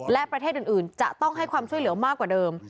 และประเทศอื่นจะต้องให้ความช่วยเหลือมากกว่าเดิม